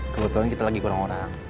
kebetulan kita lagi kurang orang